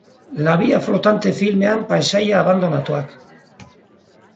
La via flotante filmean paisaia abandonatuak.